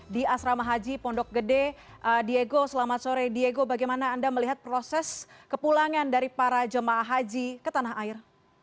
di asrama haji pondok gede diego selamat sore diego bagaimana anda melihat proses kepulangan dari para jemaah haji ke tanah air